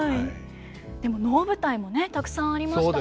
でも能舞台もねたくさんありましたね。